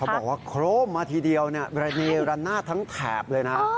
บอกว่าโครมมาทีเดียวระเนระนาดทั้งแถบเลยนะ